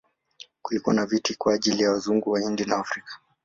Kulikuwa na viti kwa ajili ya Wazungu, Wahindi na Waafrika.